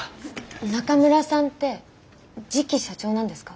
中村さんって次期社長なんですか？